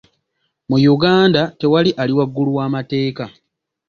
Mu Uganda tewali ali waggulu w'amateeka.